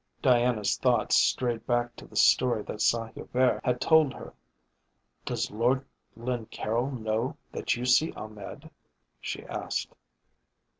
Diana's thoughts strayed back to the story that Saint Hubert had told her. "Does Lord Glencaryll know that you see Ahmed?" she asked.